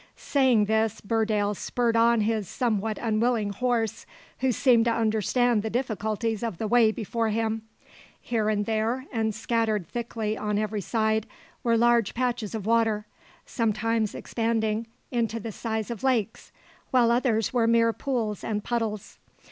Saying this, Burdale spurred on his somewhat unwilling horse, who seemed to understand the difficulties of the way before him. Here and there, and scattered thickly on every side, were large patches of water, sometimes expanding into the size of lakes, while others were mere pools and puddles.